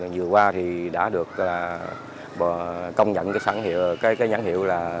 giờ qua thì đã được công nhận cái sản hiệu cái nhắn hiệu là